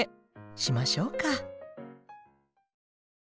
しましょうか。